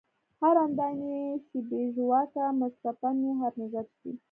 هر اندام ئې شي بې ژواکه مړڅپن ئې هر نظر شي